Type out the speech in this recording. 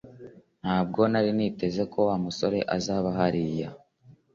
Ntabwo nari niteze ko Wa musore azaba ahari